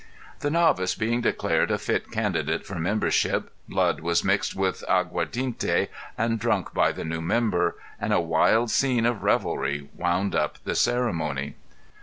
The novice being declared a fit candidate for membership, blood was mixed with aguardiente and drunk by the new member and a wild scene of revelry wound up the ceremony.